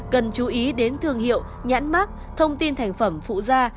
cần chú ý đến thương hiệu nhãn mắc thông tin thành phẩm phụ gia